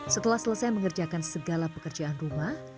setelah selesai mengerjakan segala pekerjaan rumah